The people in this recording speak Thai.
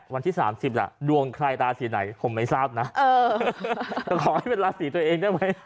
วันที่สามสิบอ่ะดวงใครตาสีไหนผมไม่ทราบนะเออแต่ขอให้เป็นลาสีตัวเองได้ไหม